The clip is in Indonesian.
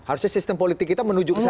harusnya sistem politik kita menuju ke sana